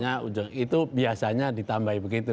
ya kayaknya itu biasanya ditambah begitu